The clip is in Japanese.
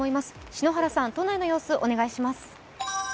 篠原さん、都内の様子お願いします。